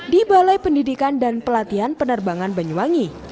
di balai pendidikan dan pelatihan penerbangan banyuwangi